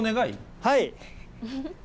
はい。